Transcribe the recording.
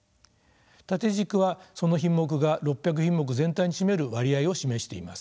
縦軸はその品目が６００品目全体に占める割合を示しています。